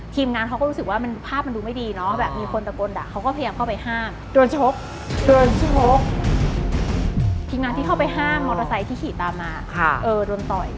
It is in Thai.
พี่มันขึ้นรถที่เข้าไปห้ามมอเทอร์ไซต์ที่ขี่ตามมาโดนต่อย